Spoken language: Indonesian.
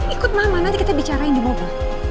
ikut mama nanti kita bicarain di mobil